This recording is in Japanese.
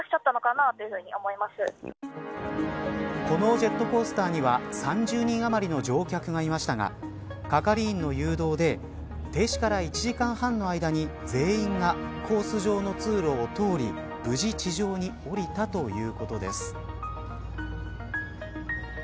このジェットコースターには３０人余りの乗客がいましたが係員の誘導で停止から１時間半の間に全員がコース上の通路を通り無事地上に降りたということです。